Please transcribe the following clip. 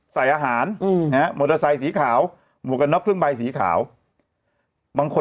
ใส่อาหารมอเตอร์ไซค์สีขาวหมวกกันน็อกเครื่องใบสีขาวบางคน